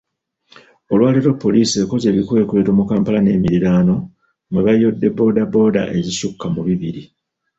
Olwaleero Poliisi ekoze ebikwekweto mu Kampala n'emirirwano mwe bayodde boda boda ezisukka mu bibiri.